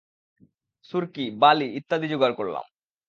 সুরকি, বালি ইত্যাদি জোগাড় করলাম।